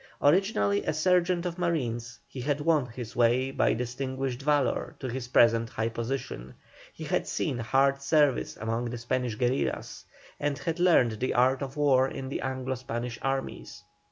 Originally a sergeant of marines, he had won his way by distinguished valour to his present high position. He had seen hard service among the Spanish guerillas, and had learned the art of war in the Anglo Spanish armies.